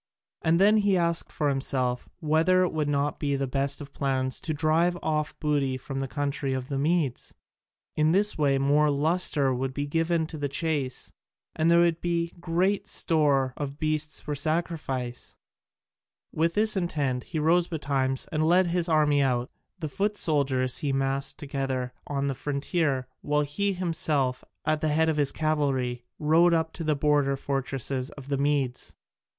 And then he asked himself whether it would not be the best of plans to drive off booty from the country of the Medes? In this way more lustre would be given to the chase, and there would be great store of beasts for sacrifice. With this intent he rose betimes and led his army out: the foot soldiers he massed together on the frontier, while he himself, at the head of his cavalry, rode up to the border fortresses of the Medes.